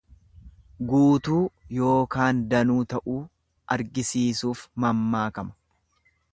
Guutuu yookaan danuu ta'uu argisiisuuf mammaakama.